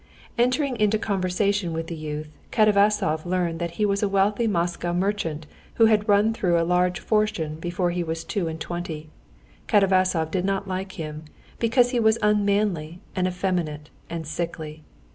Entering into conversation with the youth, Katavasov learned that he was a wealthy Moscow merchant who had run through a large fortune before he was two and twenty. Katavasov did not like him, because he was unmanly and effeminate and sickly.